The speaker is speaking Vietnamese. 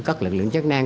các lực lượng chức năng